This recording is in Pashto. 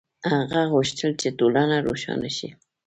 هغه غوښتل چې ټولنه روښانه شي.